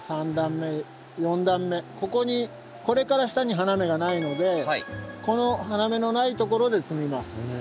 ここにこれから下に花芽がないのでこの花芽のないところで摘みます。